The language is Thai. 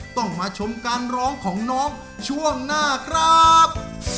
ต้องมาชมการร้องของน้องช่วงหน้าครับ